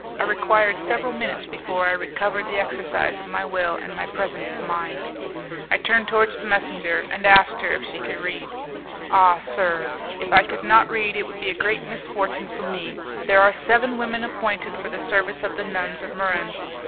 I required several minutes before I recovered the exercise of my will and my presence of mind. I turned towards the messenger, and asked her if she could read. "Ah, sir! if I could not read, it would be a great misfortune for me. There are seven women appointed for the service of the nuns of Muran.